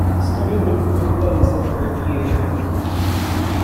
He studied with Mykola Lysenko in Kiev.